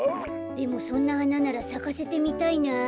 でもそんなはなならさかせてみたいなあ。